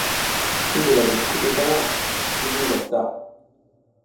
Ki ndila vi kukurcuw tana, kira zub ngwas ta.